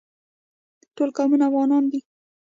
ټول قومونه افغانان دي